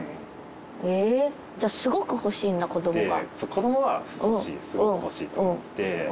子供はすごく欲しいと思って。